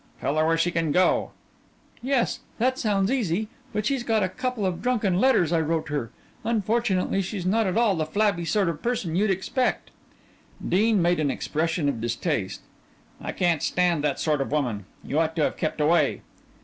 "Tell her where she can go." "Yes, that sounds easy, but she's got a couple of drunken letters I wrote her. Unfortunately she's not at all the flabby sort of person you'd expect." Dean made an expression of distaste. "I can't stand that sort of woman. You ought to have kept away."